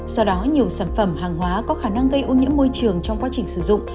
do đó nhiều sản phẩm hàng hóa có khả năng gây ô nhiễm môi trường trong quá trình sử dụng